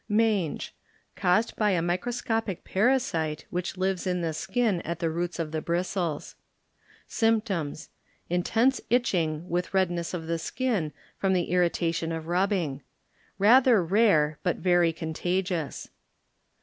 Mange. ŌĆö Caused by a microscopic parasite which lives Sn the skin at the roots of the bristles. Symptoms. ŌĆö Intense itching with red ness of the skin from the irritation of rubbing. Rather rare, but very eon tasious.